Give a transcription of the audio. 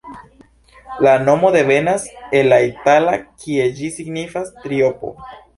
La nomo devenas el la itala, kie ĝi signifas triopo.